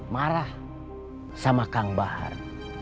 marah sama kang bahar